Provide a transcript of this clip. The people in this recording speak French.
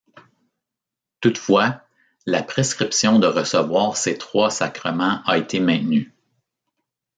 Toutefois, la prescription de recevoir ces trois sacrements a été maintenue.